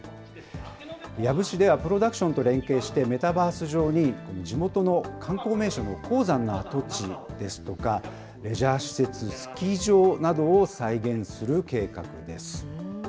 養父市ではプロダクションと連携して、メタバース上に地元の観光名所の鉱山の跡地ですとか、レジャー施設、スキー場などを再現する計画です。